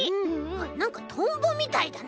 なんかとんぼみたいだね。